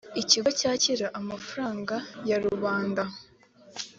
ikigo cyakira amafaranga ya rubanda.